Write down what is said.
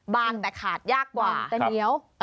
บางแต่ขาดยากกว่าแต่เหนียว